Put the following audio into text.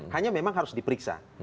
hanya memang harus diperiksa